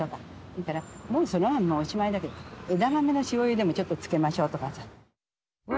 それからもうそら豆もおしまいだけど枝豆の塩ゆでもちょっと付けましょうとかさ。